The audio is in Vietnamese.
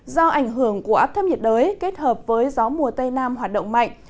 do ảnh hưởng của áp thấp nhiệt đới kết hợp với gió mùa tây nam hoạt động mạnh